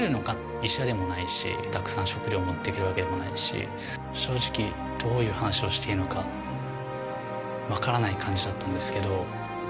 医者でもないし、たくさん食料を持っていけるわけでもないし、正直、どういう話をしていいのか分からない感じだったんですけど。